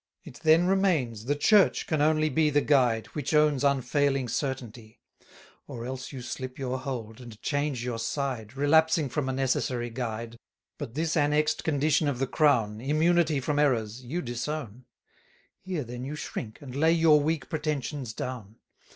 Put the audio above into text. It then remains, the Church can only be The guide, which owns unfailing certainty; Or else you slip your hold, and change your side, Relapsing from a necessary guide. But this annex'd condition of the crown, Immunity from errors, you disown; Here then you shrink, and lay your weak pretensions down.